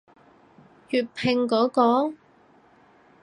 粵拼嗰個？